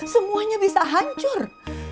semuanya bisa hancur